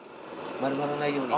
丸まらないように。